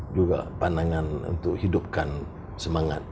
juga pandangan untuk hidupkan semangat